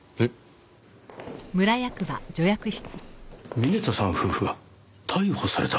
峰田さん夫婦が逮捕された？